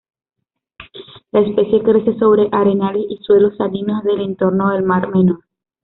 La especie crece sobre arenales y suelos salinos del entorno del Mar Menor.